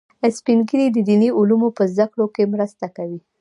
سپین ږیری د دیني علومو په زده کړه کې مرسته کوي